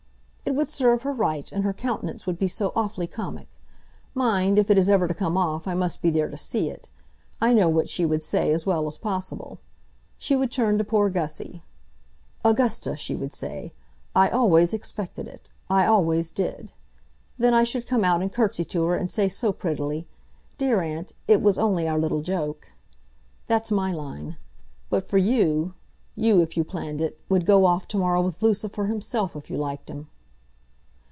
"It would serve her right, and her countenance would be so awfully comic. Mind, if it is ever to come off, I must be there to see it. I know what she would say as well as possible. She would turn to poor Gussy. 'Augusta,' she would say, 'I always expected it. I always did.' Then I should come out and curtsey to her, and say so prettily, 'Dear aunt, it was only our little joke.' That's my line. But for you, you, if you planned it, would go off to morrow with Lucifer himself if you liked him."